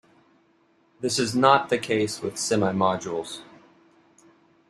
This is not the case with semimodules.